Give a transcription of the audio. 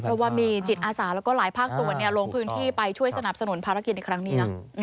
เพราะว่ามีจิตอาสาแล้วก็หลายภาคส่วนลงพื้นที่ไปช่วยสนับสนุนภารกิจในครั้งนี้นะ